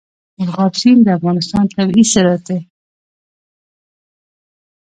مورغاب سیند د افغانستان طبعي ثروت دی.